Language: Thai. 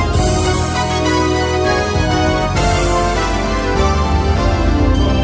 โชว์สี่ภาคจากอัลคาซ่าครับ